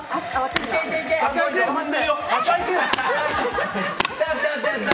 赤い線踏んでるよ！